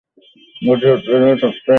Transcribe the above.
গত সপ্তাহের আগে সপ্তাহে তিনি এসেছেন?